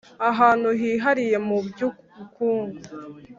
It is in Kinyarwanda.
Ahantu hihariye mu by’ubukungu